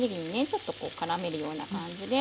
ちょっとこうからめるような感じで。